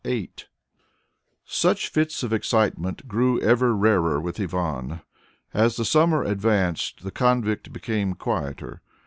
VIII Such fits of excitement grew ever rarer with Ivan. As the summer advanced, the convict became quieter.